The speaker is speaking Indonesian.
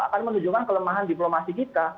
akan menunjukkan kelemahan diplomasi kita